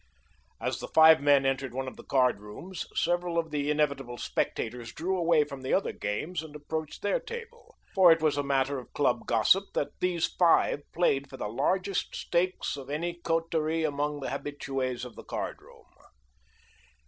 As the five men entered one of the cardrooms several of the inevitable spectators drew away from the other games and approached their table, for it was a matter of club gossip that these five played for the largest stakes of any coterie among the habitues of the card room.